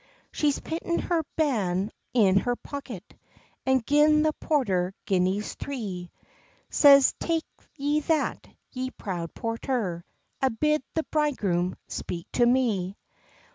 She's pitten her ban in her pocket, An gin the porter guineas three; Says, "Take ye that, ye proud porter, An bid the bridegroom speak to me."